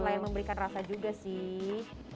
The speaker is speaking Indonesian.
selain memberikan rasa juga sih